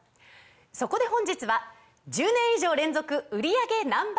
そこで本日は１０年以上連続売り上げＮｏ．１